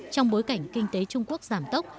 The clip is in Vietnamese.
trong bối cảnh kinh tế trung quốc giảm tốc